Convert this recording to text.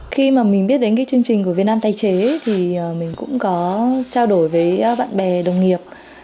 khi mình biết đến chương trình của việt nam tái chế mình cũng có trao đổi với bạn bè đồng nghiệp